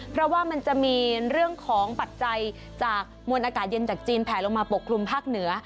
เพราะว่ามันจะมีเรื่องของปัจจัยจากมวลอากาศเย็นจากจีนแผลลงมาปกคลุมภาคเหนือ